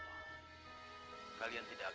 apa kau merasa takut